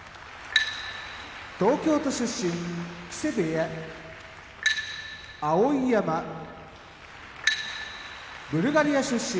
東京都出身木瀬部屋碧山ブルガリア出身春日野部屋